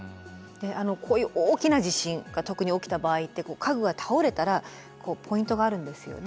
こういう大きな地震が特に起きた場合って家具が倒れたらこうポイントがあるんですよね。